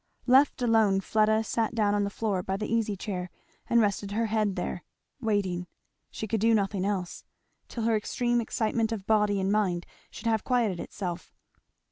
Left alone, Fleda sat down on the floor by the easy chair and rested her head there; waiting, she could do nothing else, till her extreme excitement of body and mind should have quieted itself.